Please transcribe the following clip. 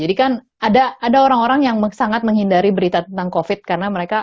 jadi kan ada orang orang yang sangat menghindari berita tentang covid karena mereka